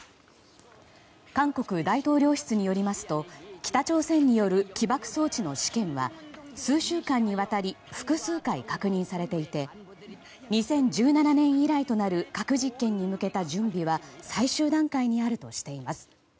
韓国大統領室によりますと北朝鮮による起爆装置の試験は数週間にわたり複数回確認されていて２０１７年以来となる核実験に向けた準備は最終段階にあるとしています。